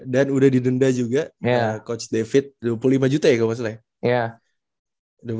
dan udah didenda juga coach david dua puluh lima juta ya gue maksudnya